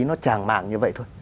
nó tràng mạng như vậy thôi